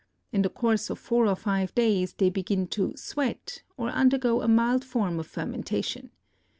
In the course of four or five days they begin to "sweat" or undergo a mild form of fermentation.